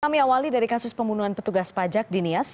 kami awali dari kasus pembunuhan petugas pajak dinias